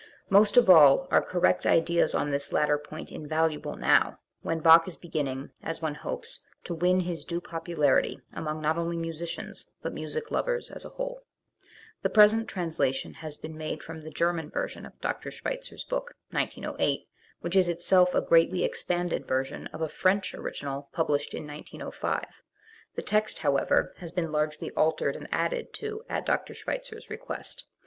Most of all are correct ideas on this latter point invaluable now, when Bach is beginning, as one hopes, to win his due popularity among not only musicians but music lovers as a whole, The present translation has been made from the German version of Dr, Schweitzer's book (1908), which is itself a greatly expanded version of a French original published in 1905, The text, however, has been largely altered and added to at Dr. Schweitzer's request.